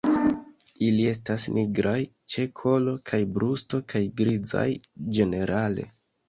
Ili estas nigraj ĉe kolo kaj brusto kaj grizaj ĝenerale.